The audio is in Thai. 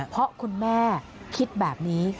เพราะคุณแม่คิดแบบนี้